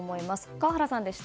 川原さんでした。